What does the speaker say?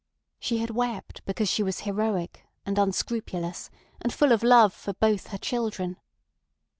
She had wept because she was heroic and unscrupulous and full of love for both her children.